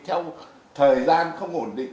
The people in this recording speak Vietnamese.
theo thời gian không ổn định